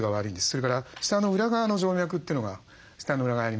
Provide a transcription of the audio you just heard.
それから舌の裏側の静脈というのが舌の裏側にありますよね。